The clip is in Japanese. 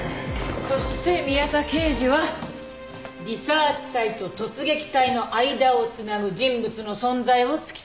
そして宮田刑事はリサーチ隊と突撃隊の間を繋ぐ人物の存在を突き止めた。